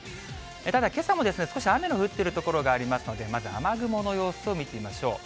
ただ、けさも少し雨の降っている所がありますので、まず雨雲の様子を見てみましょう。